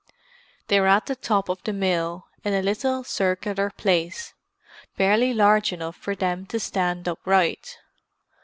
They were at the top of the mill, in a little circular place, barely large enough for them to stand upright.